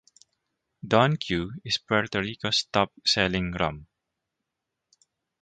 Don Q is Puerto Rico's top-selling rum.